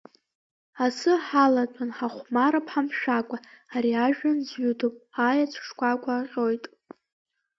Асы ҳалатәан, ҳахәмарып ҳамшәакәа, ари ажәҩан зҩыдоуп, аеҵә шкәакәа аҟьоит.